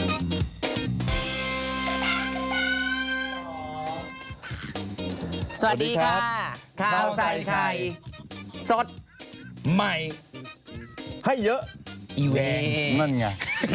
สวัสดีครับข้าวใส่ไข่สดใหม่ให้เยอะอีเวนนั่นไง